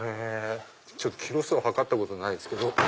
キロ数を量ったことないですけど。